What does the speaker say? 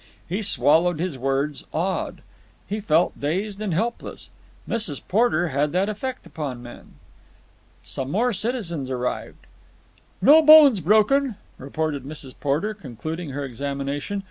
He swallowed his words, awed. He felt dazed and helpless. Mrs. Porter had that effect upon men. Some more citizens arrived. "No bones broken," reported Mrs. Porter, concluding her examination.